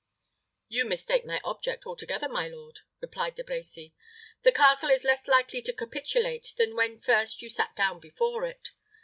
"You mistake my object altogether, my lord," replied De Brecy. "The castle is less likely to capitulate than when first you sat down before it.